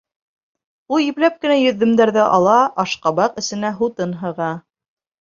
Ул ипләп кенә йөҙөмдәрҙе ала, ашҡабаҡ эсенә һутын һыға.